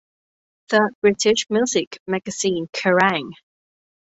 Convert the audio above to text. The British music magazine Kerrang!